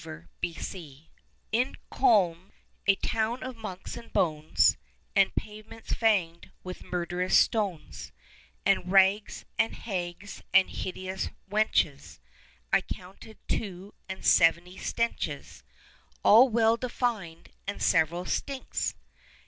COLOGNE In Köhln, a town of monks and bones, And pavements fanged with murderous stones, And rags, and hags, and hideous wenches; I counted two and seventy stenches, All well defined, and several stinks!